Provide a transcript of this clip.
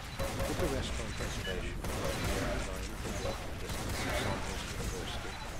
Book a restaurant reservation for my gf and I within walking distance of sondra's university